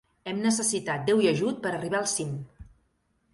Hem necessitat Déu i ajut per arribar al cim!